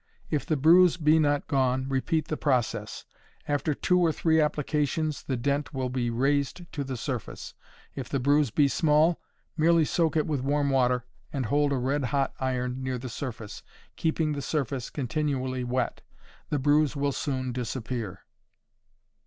If the bruise be not gone repeat the process. After two or three applications the dent will be raised to the surface. If the bruise be small, merely soak it with warm water, and hold a red hot iron near the surface, keeping the surface continually wet the bruise will soon disappear.